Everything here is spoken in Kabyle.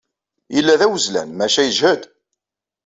Yella d awezlan, maca yejhed.